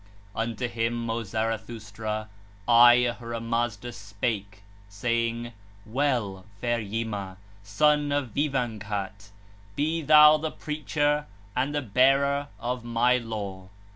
3 (7) Unto him, O Zarathustra, I, Ahura Mazda, spake, saying: 'Well, fair Yima, son of Vîvanghat, be thou the preacher and the bearer of my law!'